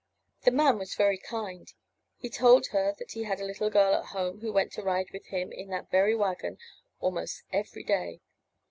The man was very kind; he told her that he had a little girl at home who went to ride with him in that very wagon almost every day.